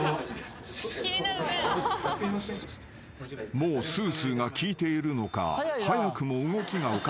［もうスースーが効いているのか］